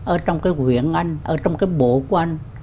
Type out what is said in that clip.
ở trong cái quyện anh ở trong cái bộ của anh